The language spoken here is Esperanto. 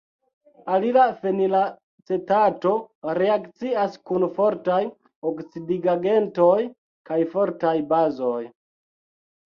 Alila fenilacetato reakcias kun fortaj oksidigagentoj kaj fortaj bazoj.